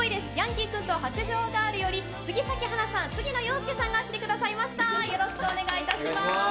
ヤンキー君と白杖ガール』より杉咲花さん、杉野遥亮さんがお越しくださいました。